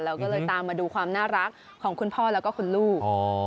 เราก็เลยตามมาดูความน่ารักของคุณพ่อแล้วก็คุณลูก